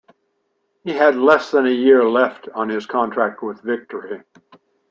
He had less than a year left on his contract with Victory.